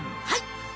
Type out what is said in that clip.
はい！